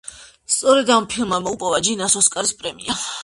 სწორედ ამ ფილმმა მოუპოვა ჯინას ოსკარის პრემია.